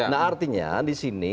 nah artinya disini